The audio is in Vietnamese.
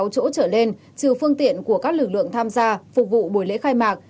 một mươi sáu chỗ chở lên trừ phương tiện của các lực lượng tham gia phục vụ buổi lễ khai mạc